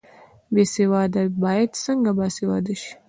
بې سواده باید څنګه باسواده شي؟